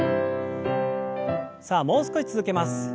さあもう少し続けます。